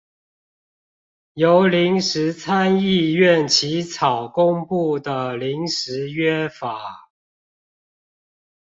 由臨時參議院起草公布的臨時約法